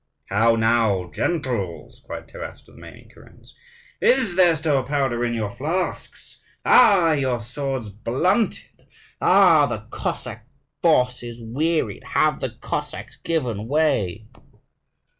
"How now, gentles," cried Taras to the remaining kurens: "is there still powder in your flasks? Are your swords blunted? Are the Cossack forces wearied? Have the Cossacks given way?"